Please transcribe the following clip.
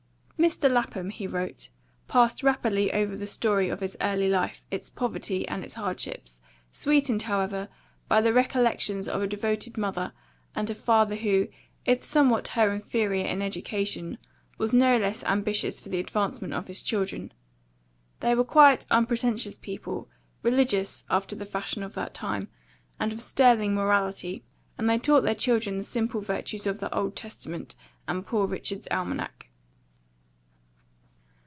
"Mr. Lapham," he wrote, "passed rapidly over the story of his early life, its poverty and its hardships, sweetened, however, by the recollections of a devoted mother, and a father who, if somewhat her inferior in education, was no less ambitious for the advancement of his children. They were quiet, unpretentious people, religious, after the fashion of that time, and of sterling morality, and they taught their children the simple virtues of the Old Testament and Poor Richard's Almanac."